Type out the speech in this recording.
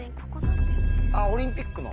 ⁉あっオリンピックの。